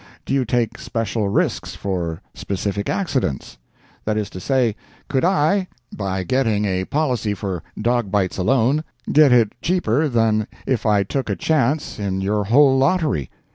Do you take special risks for specific accidents?—that is to say, could I, by getting a policy for dog bites alone, get it cheaper than if I took a chance in your whole lottery?